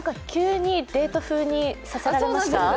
急にデート風にさせられました？